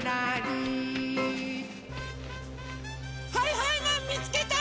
はいはいマンみつけた！